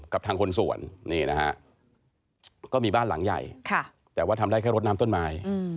กับทางคนสวนนี่นะฮะก็มีบ้านหลังใหญ่แต่ว่าทำได้แค่รถน้ำต้นไม้